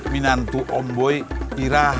tolong jalan comel indah